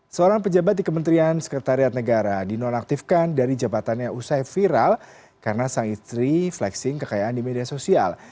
seorang pejabat di kementerian sekretariat negara dinonaktifkan dari jabatannya usai viral karena sang istri flexing kekayaan di media sosial